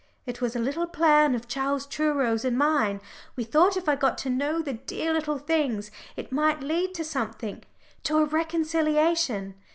It was a little plan of Charles Truro's and mine; we thought if I got to know the dear little things it might lead to something to a reconciliation.